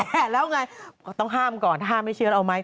แก่แล้วไงต้องห้ามก่อนห้ามให้เชื้อแล้วเอาไหม